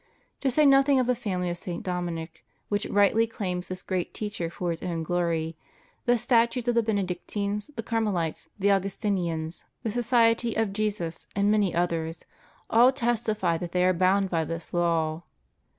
To say nothing of the family of St. Dominic, which rightly claims this great teacher for its own glory, the statutes of the Benedictines, the Carmelites, the Augustinians, the 50 THE STUDY OF SCHOLASTIC PHILOSOPHY. Society of Jesus, and many others, all testify that they are bound by this law.